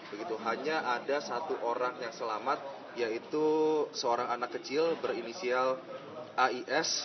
begitu hanya ada satu orang yang selamat yaitu seorang anak kecil berinisial ais